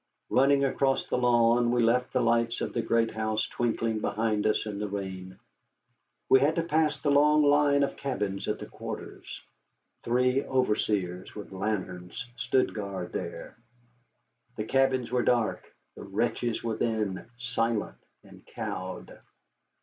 Running across the lawn, we left the lights of the great house twinkling behind us in the rain. We had to pass the long line of cabins at the quarters. Three overseers with lanterns stood guard there; the cabins were dark, the wretches within silent and cowed.